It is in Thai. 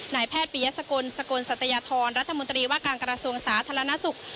นายแพทย์ปียสกลสกลสัตยธรรัฐมนตรีว่าการกระทรวงสาธารณสุข